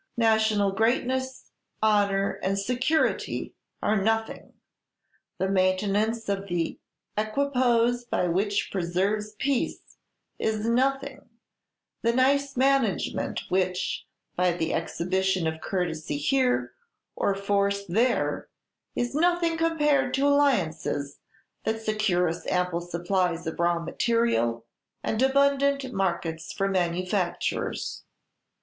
National greatness, honor, and security are nothing, the maintenance of that equipoise which preserves peace is nothing, the nice management which, by the exhibition of courtesy here, or of force there, is nothing compared to alliances that secure us ample supplies of raw material, and abundant markets for manufactures.